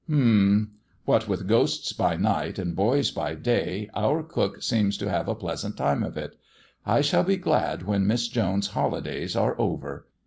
"Hum! What with ghosts by night and boys by day, our cook seems to have a pleasant time of it; I shall be glad when Miss Jones's holidays are over.